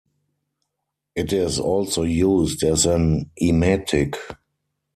It is also used as an emetic.